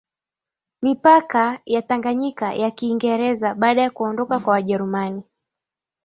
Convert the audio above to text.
mipaka ya Tanganyika ya Kiingereza baada ya kuondoka kwa Wajerumani